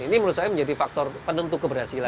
ini menurut saya menjadi faktor penentu keberhasilan